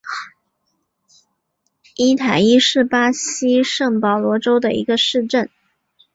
伊塔伊是巴西圣保罗州的一个市镇。